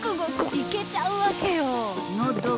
いけちゃうわけよ